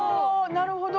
なるほど。